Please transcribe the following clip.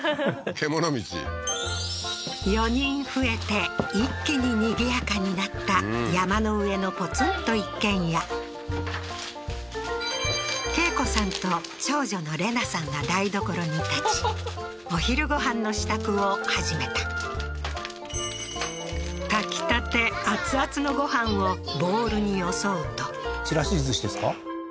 獣道４人増えて一気ににぎやかになった山の上のポツンと一軒家恵子さんと長女の玲奈さんが台所に立ちお昼ご飯の支度を始めた炊き立て熱々のご飯をボウルによそうとちらしずしですか？